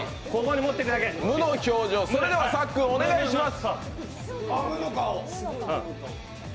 無の表情、それでは、お願いします。